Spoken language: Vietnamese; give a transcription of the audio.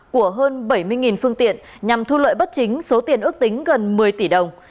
của hơn bảy mươi phương tiện nhằm thu lợi bất chính số tiền ước tính gần một mươi tỷ đồng